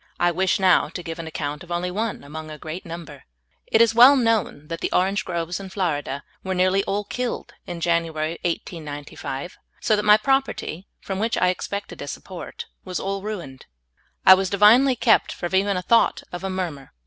I wish now to give an account of only one among a great number. It is well known that the orange groves in Florida were nearly all killed in January, 1895, so that my prop erty, from which I expected a support, was all ruined. I was divinely kept from even a thought of a murmur.